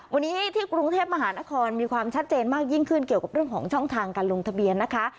วันนี้ที่กรุงเทพมหานครมีความชัดเจนมากยิ่งขึ้นเกี่ยวกับเรื่องของช่องทางการลงทะเบียนนะคะ